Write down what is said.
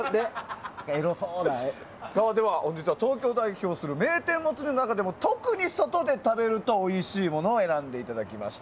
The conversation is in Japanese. では、東京を代表する名店モツ煮の中でも特に外で食べるとおいしいものを選んでいただきました。